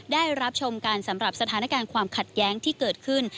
ได้รับชมกันสำหรับสถานการณ์ความขัดแย้งที่เกิดขึ้น